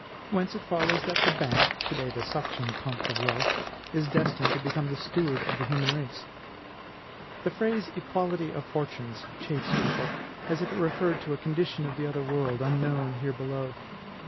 Whence it follows that the Bank, to day the suction pump of wealth, is destined to become the steward of the human race. The phrase EQUALITY OF FORTUNES chafes people, as if it referred to a condition of the other world, unknown here below.